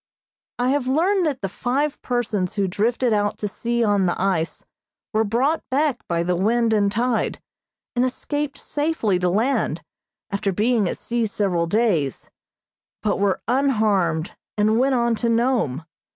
I have learned that the five persons who drifted out to sea on the ice were brought back by the wind and tide, and escaped safely to land, after being at sea several days, but were unharmed, and went on to Nome.